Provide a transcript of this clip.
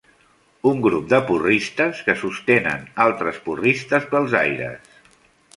Un grup de porristes que sostenen altres porristes pels aires.